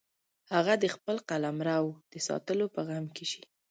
هغه د خپل قلمرو د ساتلو په غم کې شي.